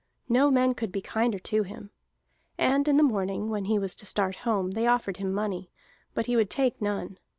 No men could be kinder to him. And in the morning, when he was to start home, they offered him money, but he would take none.